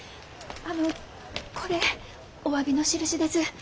あのこれおわびのしるしです。